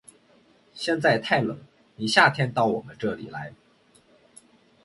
现在太冷，你夏天到我们这里来。